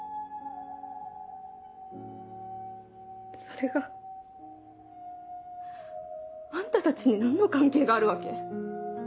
それが。あんたたちに何の関係があるわけ？